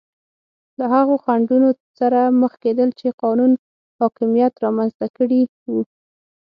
له هغو خنډونو سره مخ کېدل چې قانون حاکمیت رامنځته کړي وو.